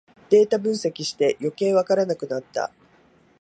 データ分析してよけいわからなくなった